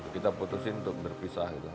kita putusin untuk berpisah gitu